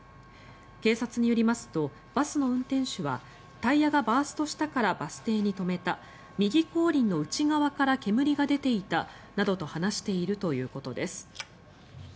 警察によりますとバスの運転手はタイヤがバーストしたからバス停に止めた右後輪の内側から煙が出ていたなどと話しているということです。